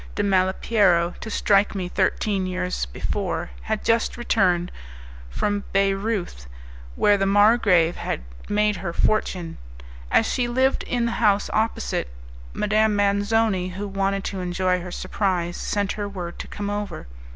de Malipiero to strike me thirteen years before, had just returned from Bayreuth, where the margrave had made her fortune. As she lived in the house opposite, Madame Manzoni, who wanted to enjoy her surprise, sent her word to come over.